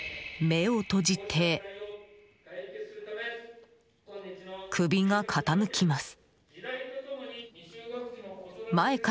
目を閉じて、首が傾きます。